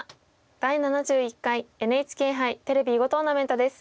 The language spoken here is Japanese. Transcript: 「第７１回ＮＨＫ杯テレビ囲碁トーナメント」です。